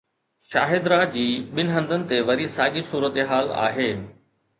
شاهدره جي ٻن هنڌن تي وري ساڳي صورتحال آهي.